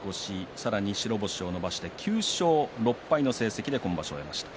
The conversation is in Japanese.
さらに白星を伸ばして９勝６敗の成績で今場所を終えました。